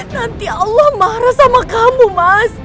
nanti allah marah sama kamu mas